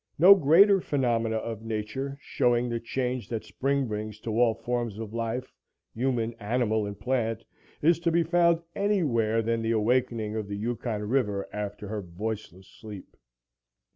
No greater phenomena of nature, showing the change that spring brings to all forms of life human, animal and plant is to be found anywhere than the awakening of the Yukon River after her voiceless sleep.